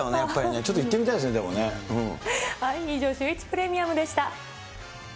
ちょっと行ってみたいですね、以上、シューイチプレミアムでした。